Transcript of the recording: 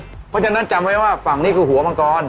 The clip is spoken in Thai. เพราะฉะนั้นจำไว้ว่าฝั่งนี้คือหัวมังกร